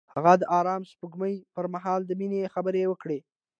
هغه د آرام سپوږمۍ پر مهال د مینې خبرې وکړې.